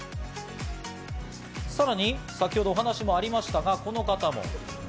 さらに先ほどお話にもありましたが、この方も。